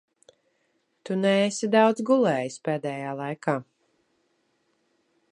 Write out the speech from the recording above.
Tu neesi daudz gulējis pēdējā laikā.